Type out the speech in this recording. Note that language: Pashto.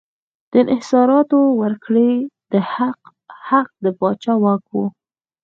د انحصاراتو ورکړې حق د پاچا واک و.